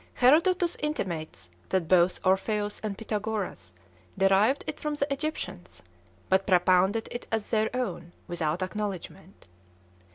Herodotus intimates that both Orpheus and Pythagoras derived it from the Egyptians, but propounded it as their own, without acknowledgment.